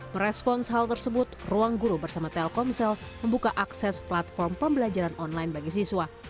merespons hal tersebut ruang guru bersama telkomsel membuka akses platform pembelajaran online bagi siswa